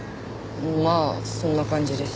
まあそんな感じです。